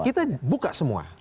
kita buka semua